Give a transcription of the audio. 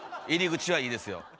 入り口はいいですよ。